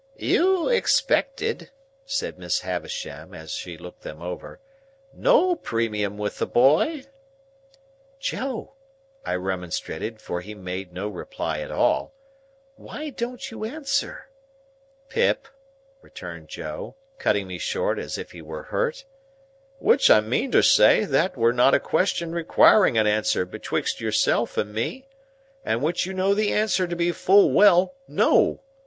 "You expected," said Miss Havisham, as she looked them over, "no premium with the boy?" "Joe!" I remonstrated, for he made no reply at all. "Why don't you answer—" "Pip," returned Joe, cutting me short as if he were hurt, "which I meantersay that were not a question requiring a answer betwixt yourself and me, and which you know the answer to be full well No.